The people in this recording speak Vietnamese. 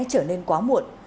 giá như sẽ trở nên quá muộn